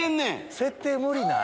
設定無理ない？